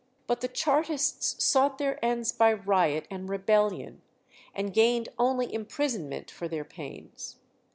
But the Chartists sought their ends by riot and rebellion, and gained only imprisonment for their pains.